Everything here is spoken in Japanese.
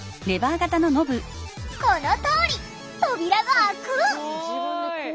このとおり扉が開く！